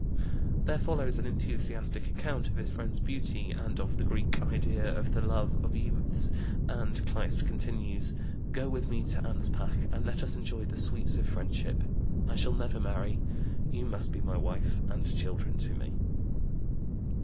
There follows an enthusiastic account of his friend's beauty and of the Greek "idea of the love of youths," and Kleist concludes: "Go with me to Anspach, and let us enjoy the sweets of friendship.... I shall never marry; you must be wife and children to me."